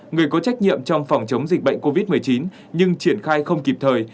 một mươi sáu người có trách nhiệm trong phòng chống dịch bệnh covid một mươi chín nhưng triển khai không kịp thời